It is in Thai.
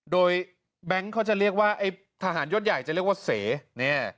โดยแบงค์เขาจะเรียกว่าไอ้ทหารยศใหญ่จะเรียกว่าเสเนี่ย